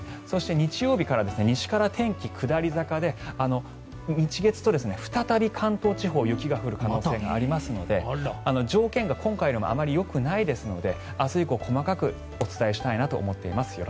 そして日曜日から西から天気が下り坂で日月と、再び関東地方雪が降る可能性がありますので条件が今回よりもあまりよくないので明日以降細かくお伝えしたいと思います。